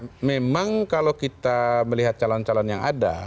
ya memang kalau kita melihat calon calon yang ada